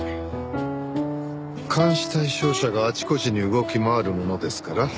監視対象者があちこちに動き回るものですから。